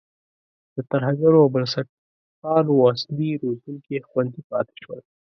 د ترهګرو او بنسټپالو اصلي روزونکي خوندي پاتې شول.